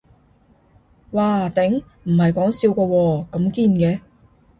嘩頂，唔係講笑㗎喎，咁堅嘅